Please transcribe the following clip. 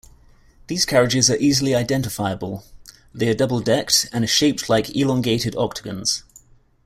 These carriages are easily identifiable; they are double-decked and are shaped like elongated octagons.